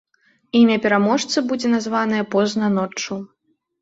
Імя пераможцы будзе названае позна ноччу.